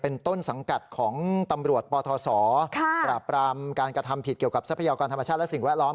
เป็นต้นสังกัดของตำรวจปทศปราบปรามการกระทำผิดเกี่ยวกับทรัพยากรธรรมชาติและสิ่งแวดล้อม